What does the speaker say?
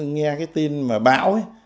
nghe cái tin bão